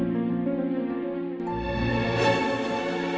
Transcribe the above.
kakak ngak usus ya